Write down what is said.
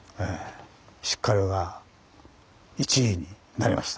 出荷量が１位になりました。